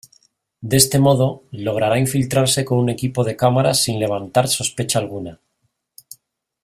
De este modo, logrará infiltrarse con un equipo de cámaras sin levantar sospecha alguna.